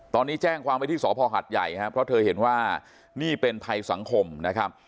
ตอนนี้แจ้งความไว้ที่สพหัดใหญ่ครับเพราะเธอเห็นว่านี่เป็นภัยสังคมนะครับ